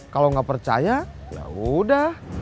kalau nggak percaya ya udah